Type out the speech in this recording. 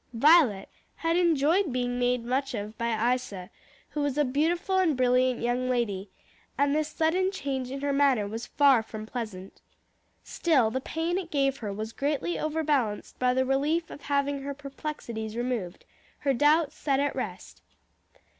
Violet had enjoyed being made much of by Isa, who was a beautiful and brilliant young lady, and this sudden change in her manner was far from pleasant. Still the pain it gave her was greatly overbalanced by the relief of having her perplexities removed, her doubts set at rest.